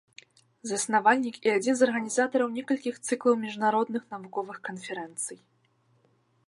Заснавальнік і адзін з арганізатараў некалькіх цыклаў міжнародных навуковых канферэнцый.